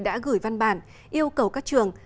đã gửi văn bản yêu cầu các trường